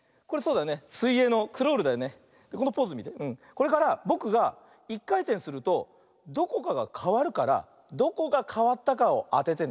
これからぼくが１かいてんするとどこかがかわるからどこがかわったかをあててね。